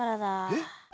えっ？